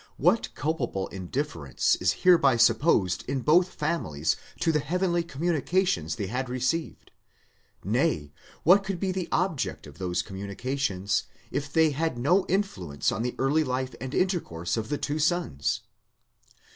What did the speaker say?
What culpable indifference is hereby supposed in both families to the heavenly communications they had received ! nay, what could be the object of those communications, if they had no influence on the early life and intercourse of the two sons